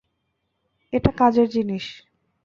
এটা কাজের জিনিস।